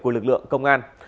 của lực lượng công an